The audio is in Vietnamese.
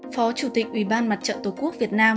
phó chủ tịch ủy ban mặt trận tổ quốc việt nam